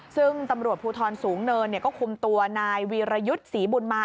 ซึ่งตำรวจภูทรสูงเนินก็คุมตัวนายวีรยุทธ์ศรีบุญมา